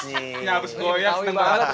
nyiapus boy ya seneng banget